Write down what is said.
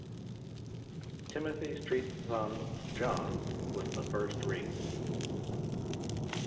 Timothy Street's son, John, was the first reeve.